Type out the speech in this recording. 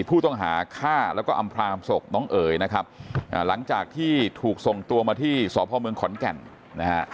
ผู้ต้องหาฆ่าแล้วก็อำพลางศพน้องเอ๋ยนะครับหลังจากที่ถูกส่งตัวมาที่สพเมืองขอนแก่นนะฮะ